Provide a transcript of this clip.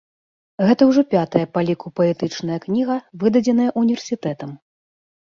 Гэта ўжо пятая па ліку паэтычная кніга, выдадзеная універсітэтам.